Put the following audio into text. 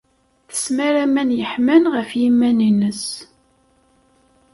Tesmar aman yeḥman ɣef yiman-nnes.